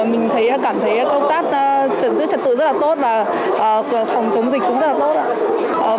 mình cảm thấy công tác giữa trật tự rất là tốt và phòng chống dịch cũng rất là tốt